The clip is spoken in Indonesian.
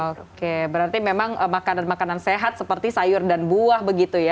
oke berarti memang makanan makanan sehat seperti sayur dan buah begitu ya